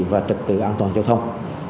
và trật tự an toàn giao thông